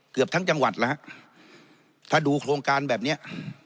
เกือบทั้งจังหวัดแล้วฮะถ้าดูโครงการแบบเนี้ย